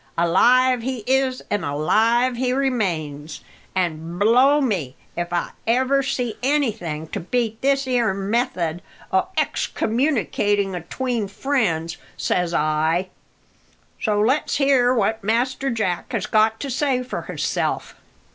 Alive he is, an' alive he remains. An' blow me if ever I see anything to beat this 'ere method o' excommunicating atween friends, says I. So let's hear what Master Jack has got to say for hisself."